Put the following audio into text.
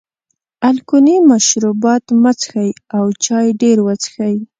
الکولي مشروبات مه څښئ او چای ډېر وڅښئ.